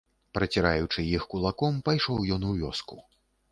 Праціраючы іх кулаком, пайшоў ён у вёску.